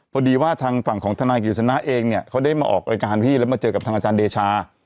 พอดีว่าทางฝั่งของทนายกฤษณะเองเนี่ยเขาได้มาออกรายการพี่แล้วมาเจอกับทางอาจารย์เดชา